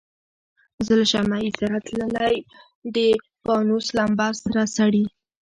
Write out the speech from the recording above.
زه له شمعي سره تللی د پانوس لمبه سړه سي